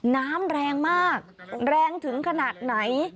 น้ำแรงมากแรงถึงขนาดไหน